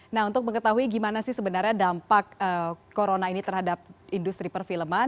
nah untuk mengetahui gimana sih sebenarnya dampak corona ini terhadap industri perfilman